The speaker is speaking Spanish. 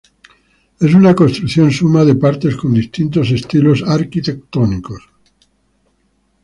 Es una construcción suma de partes con distintos estilos arquitectónicos.